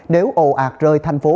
nếu ồ ạt rơi thành phố